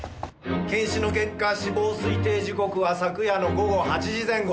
検視の結果死亡推定時刻は昨夜の午後８時前後。